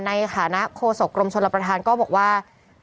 ในฐานะโฆษกรมชลประธานก็บอกว่า